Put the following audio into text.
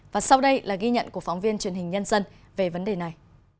và sau đây là ghi nhận của phóng viên truyền hình nhân dân về vấn đề này